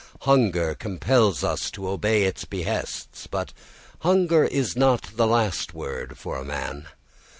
Hunger compels us to obey its behests, but hunger is not the last word for a man.